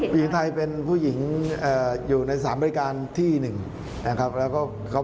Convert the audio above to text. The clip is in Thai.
ผู้หญิงไทยรู้จักกับสามคนนี้ได้ยังไงครับ